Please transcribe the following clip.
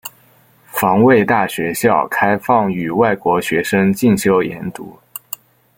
防卫大学校开放予外国学生进修研读。